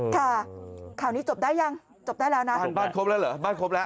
ข่าวนี้จบได้ยังจบได้แล้วนะบ้านครบแล้วเหรอบ้านครบแล้ว